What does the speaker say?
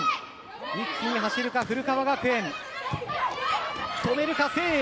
一気に走るか、古川学園止めるか、誠英。